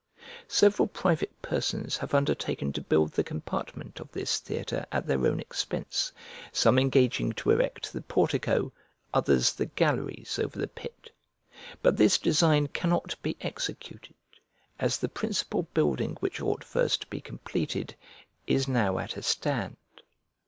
Several private persons have undertaken to build the compartment of this theatre at their own expense, some engaging to erect the portico, others the galleries over the pit: but this design cannot be executed, as the principal building which ought first to be completed is now at a stand.